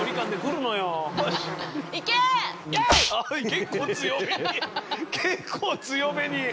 結構強めに結構強めに。